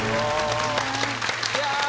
いや！